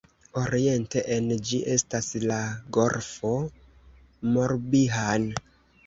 Oriente en ĝi estas la Golfo Morbihan.